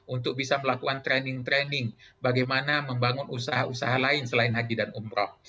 untuk bisa melakukan training training bagaimana membangun usaha usaha lain selain haji dan umroh